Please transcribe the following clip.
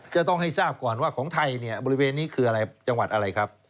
จะต้องให้ทราบก่อนว่าของไทยเนี่ยบริเวณนี้คืออะไรจังหวัดอะไรครับ